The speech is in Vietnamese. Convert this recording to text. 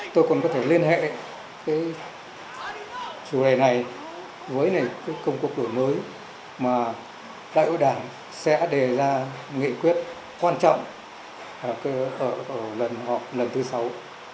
tôi cũng có thể liên hệ chủ đề này với công cuộc đổi mới mà đại hội đảng sẽ đề ra nghị quyết quan trọng lần thứ sáu